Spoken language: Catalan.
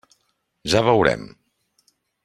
Ja veurem.